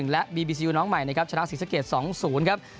และบีบีซียูน้องใหม่นะครับชนะศรีสะเกด๒๐ครับ